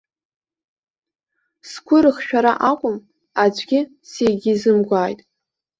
Сгәы рыхшәара акәым, аӡәгьы сегьизымгәааит.